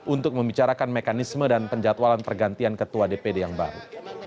untuk membicarakan mekanisme dan penjatualan pergantian ketua dpd yang baru